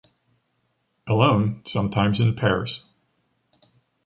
Alone, sometimes in pairs.